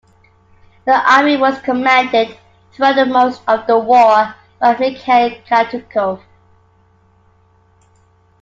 The army was commanded throughout most of the war by Mikhail Katukov.